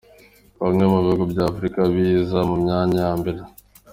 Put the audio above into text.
Bimwe mu bihugu by’Afrika biza mu myanya ya mbere.